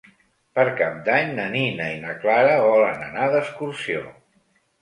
Per Cap d'Any na Nina i na Clara volen anar d'excursió.